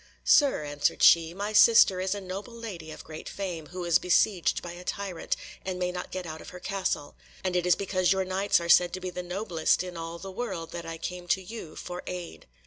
"Sir," answered she, "my sister is a noble lady of great fame, who is besieged by a tyrant, and may not get out of her castle. And it is because your Knights are said to be the noblest in all the world that I came to you for aid."